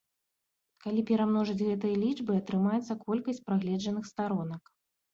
Калі перамножыць гэтыя лічбы, атрымаецца колькасць прагледжаных старонак.